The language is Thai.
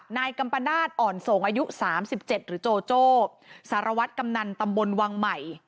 นายกัมปนาศอ่อนส่งอายุ๓๗หรือโจโจ้สารวัตรกำนันตำบลวังใหม่